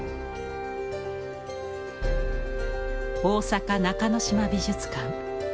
大阪中之島美術館。